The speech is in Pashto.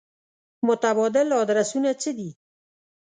متبادل ادرسونه څه دي.